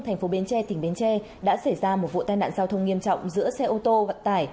thành phố bến tre tỉnh bến tre đã xảy ra một vụ tai nạn giao thông nghiêm trọng giữa xe ô tô vận tải